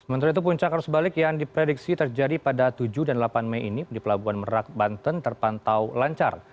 sementara itu puncak arus balik yang diprediksi terjadi pada tujuh dan delapan mei ini di pelabuhan merak banten terpantau lancar